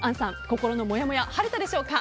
心のもやもや晴れたでしょうか。